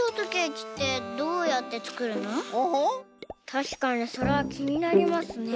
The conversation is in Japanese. たしかにそれはきになりますね。